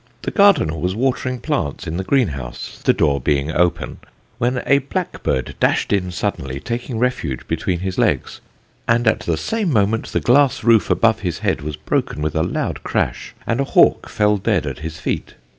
The gardener was watering plants in the greenhouse, the door being open, when a blackbird dashed in suddenly, taking refuge between his legs, and at the same moment the glass roof above his head was broken with a loud crash, and a hawk fell dead at his feet.